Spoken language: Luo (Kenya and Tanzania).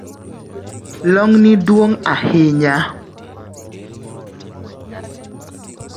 Long’ni duong’ ahinya